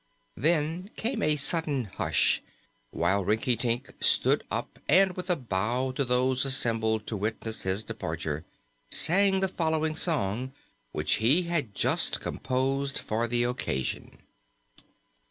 Then came a sudden hush, while Rinkitink stood up and, with a bow to those assembled to witness his departure, sang the following song, which he had just composed for the occasion.